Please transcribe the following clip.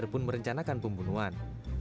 h r mencoba merencanakan pembunuhan